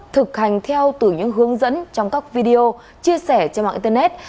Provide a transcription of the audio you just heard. thực hành theo từ những hướng dẫn trong các video chia sẻ trên mạng internet